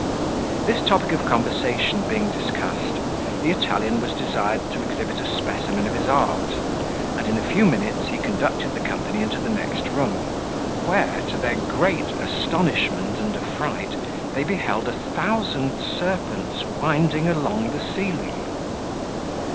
This topic of conversation being discussed, the Italian was desired to exhibit a specimen of his art, and in a few minutes he conducted the company into the next room, where, to their great astonishment and affright, they beheld a thousand serpents winding along the ceiling.